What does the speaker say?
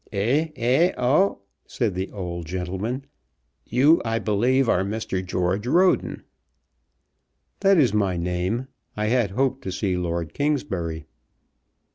"Ah, eh, oh," said the old gentleman. "You, I believe, are Mr. George Roden." "That is my name. I had hoped to see Lord Kingsbury."